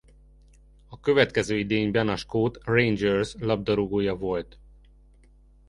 A következő idényben a skót Rangers labdarúgója volt.